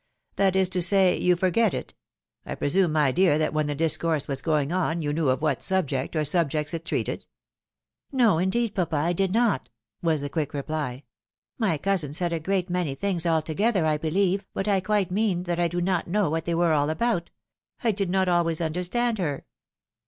" That is to say, you forget it. I presume, my dear, that when the discourse was going on, you knew of what subject, or subjects, it treated? "" No, indeed, papa, I did not," was the quick reply. " My cousin said a great many things altogether, I believe, but I quite 124 THE WIDOW MARRIED. mean that I do not know what they were all about. I did not always understand her."